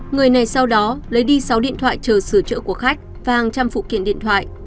người này sau đó lấy đi sáu điện thoại chờ sửa chữa của khách và hàng trăm phụ kiện điện thoại